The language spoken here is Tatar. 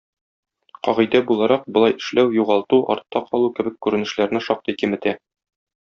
Кагыйдә буларак, болай эшләү югалу, артта калу кебек күренешләрне шактый киметә.